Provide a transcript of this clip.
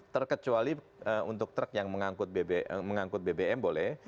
terkecuali untuk truk yang mengangkut bbm boleh